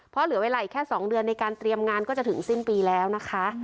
เพราะเหลือเวลาอีกแค่๒เดือนในการเตรียมงานก็จะถึงสิ้นปีแล้วนะคะ